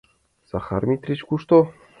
Захар Митрич кушто?